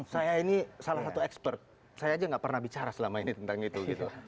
saya ini salah satu expert saya aja nggak pernah bicara selama ini tentang itu gitu